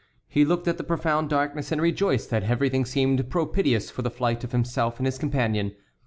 He looked at the profound darkness and rejoiced that everything seemed propitious for the flight of himself and his companion.